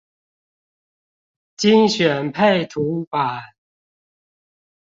精選配圖版